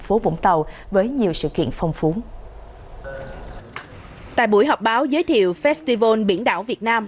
phố vũng tàu với nhiều sự kiện phong phú tại buổi họp báo giới thiệu festival biển đảo việt nam